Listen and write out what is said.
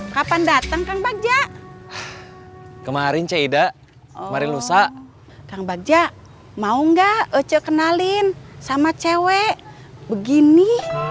kapan datang kemelve kemarin ceda dasar rusa kang bajar mau enggak usah kenalin sama cewek begini